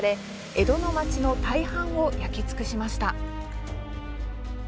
江戸の町の大半を焼き尽くしました。